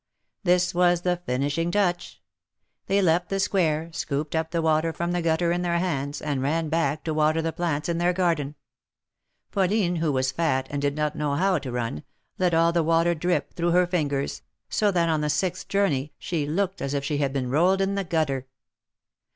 This was the finishing touch. They left the Square, scooped up the water from the gutter in their hands, and ran back to water the plants in their garden. Pauline, who was fat and did not know how to run, let all the water drip through her fingers, so that on the sixth journey she looked as if she had been rolled in the gutter.